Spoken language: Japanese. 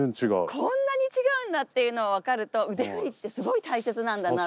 こんなに違うんだっていうのを分かると腕振りってすごい大切なんだなって。